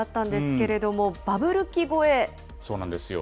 けれそうなんですよ。